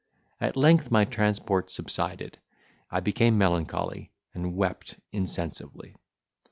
At length my transport subsided, I became melancholy, and wept insensibly.